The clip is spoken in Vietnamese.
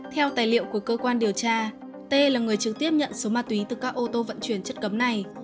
theo tài liệu của cơ quan điều tra t là người trực tiếp nhận số ma túy từ các ô tô vận chuyển chất cấm này